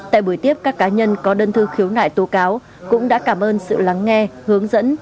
tại buổi tiếp các cá nhân có đơn thư khiếu nại tố cáo cũng đã cảm ơn sự lắng nghe hướng dẫn